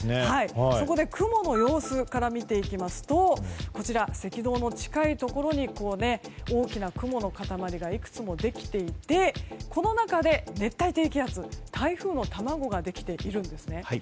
そこで雲の様子から見ていきますと赤道の近いところに大きな雲の塊がいくつもできていてこの中で熱帯低気圧台風の卵ができているんです。